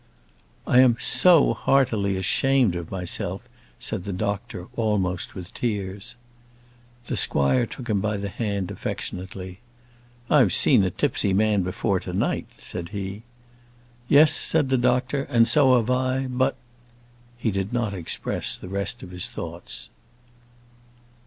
"I am so heartily ashamed of myself," said the doctor, almost with tears. The squire took him by the hand affectionately. "I've seen a tipsy man before to night," said he. "Yes," said the doctor, "and so have I, but " He did not express the rest of his thoughts.